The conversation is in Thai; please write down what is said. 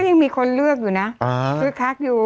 ยังมีคนเลือกอยู่นะคึกคักอยู่